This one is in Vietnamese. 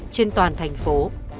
trên toàn thành phố